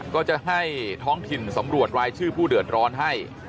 ก็จะให้ท้องถิ่นสำรวจรายชื่อผู้เดือดร้อนให้